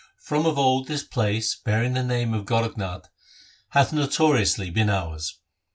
From of old this place, bearing the name of Gorakhnath, hath notoriously been ours.